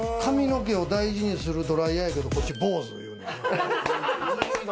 髪の毛を大事にするドライヤーやけど、こっちはボウズいうね。